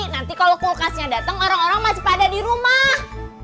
nanti kalau kulkasnya datang orang orang masih pada di rumah